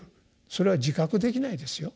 それは自覚できないですよ。